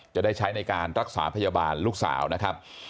จะได้ใช้ในการรักษาพยาบาลลูกสาวนะครับ